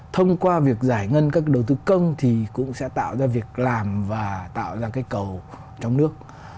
thông qua việc giải ngân các đầu tư công thì cũng sẽ tạo ra việc làm và tạo ra cái cầu trong nước